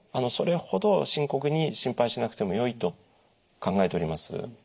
それほど深刻に心配しなくてもよいと考えております。